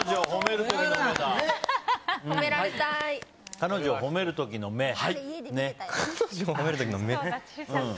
彼女を褒める時の目だ。